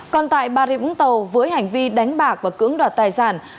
còn tại bà rịa vũng tàu với hành vi đánh bạc và cưỡng đoạt tài sản